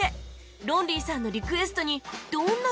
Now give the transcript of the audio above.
ロンリーさんのリクエストにどんな曲を選ぶのか？